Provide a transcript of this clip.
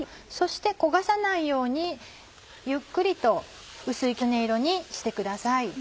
そして焦がさないようにゆっくりと薄いきつね色にしてください。